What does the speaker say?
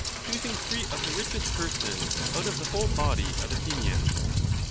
103 choosing three : of the richest persons out of the whole body of Athenians.